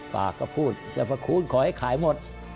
ปากก็พูดจะประคูณขอให้ขายหมด